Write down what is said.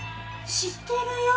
知ってるよ。